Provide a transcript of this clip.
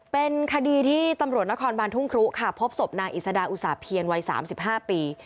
เป็นคดีที่ตำรวจนครบานทุ่งครุค่ะพบศพนางอิสดาอุตสาเพียรวัย๓๕ปี